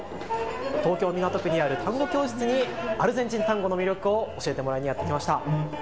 東京港区にあるタンゴ教室にアルゼンチンタンゴの魅力を教えてもらいにやって来ました。